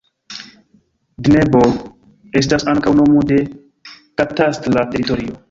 Dneboh estas ankaŭ nomo de katastra teritorio.